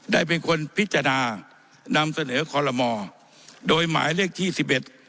ได้เป็นคนพิจารณานำเสนอคอลโลมอโดยหมายเลขที่สิบเอ็ด